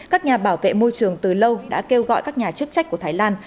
các nhà bảo vệ môi trường từ lâu đã kêu gọi các nhà chức trách của thái lan